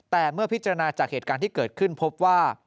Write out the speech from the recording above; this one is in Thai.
แต่เมื่อพิจารณาจากเหตุการณ์ที่เกิดขึ้นพบว่า